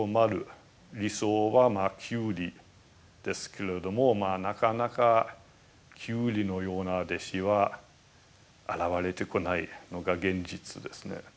理想はキュウリですけれどもなかなかキュウリのような弟子は現れてこないのが現実ですね。